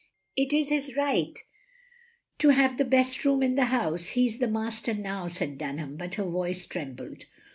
"It is his right to have the best room in the house. He 's the master now, " said Dunham, but her voice trembled.